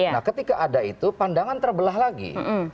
nah ketika ada itu pandangan terbelah lagi